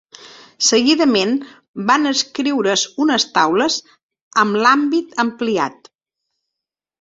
Seguidament van escriure's unes taules amb l'àmbit ampliat.